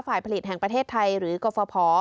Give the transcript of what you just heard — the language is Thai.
ฝ่ายผลิตแห่งประเทศไทยหรือกรฟภ